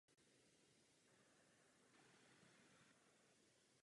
Trénuje ho strýc a bývalý tenista Martín Rodríguez.